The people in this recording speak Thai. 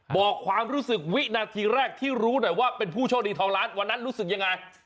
บอกความรู้สึกวินาทีแรกที่รู้หน่อยว่าเป็นผู้โชคดีทองล้านวันนั้นรู้สึกยังไง